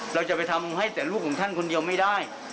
เราจะไปทำให้แต่ลูกของท่านคนเดียวไม่ได้